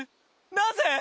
なぜ！？